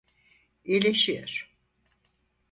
İyileşiyor.